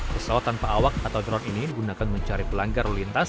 pesawat tanpa awak atau drone ini digunakan mencari pelanggar lintas